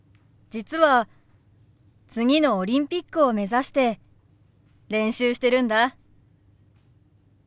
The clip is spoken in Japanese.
実は次のオリンピックを目指して練習してるんだ。